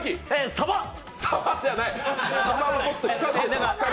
サバはもっと光る。